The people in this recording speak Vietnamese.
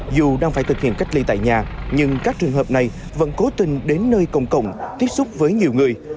dù đang phải thực hiện cách ly tại nhà nhưng các trường hợp này vẫn cố tình đến nơi công cộng tiếp xúc với nhiều người